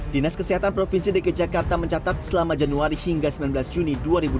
dinas kesehatan provinsi dki jakarta mencatat selama januari hingga sembilan belas juni dua ribu dua puluh